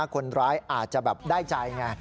คนร้ายอาจจะแบบได้ใจไง